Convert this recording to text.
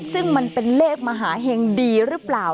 ซึ่งมันเป็นเลขมหาเห็งดีหรือเปล่า